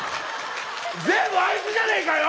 全部あいつじゃねえかよ！